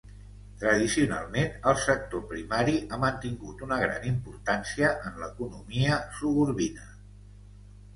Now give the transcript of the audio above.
Tradicionalment el sector primari ha mantingut una gran importància en l'economia sogorbina.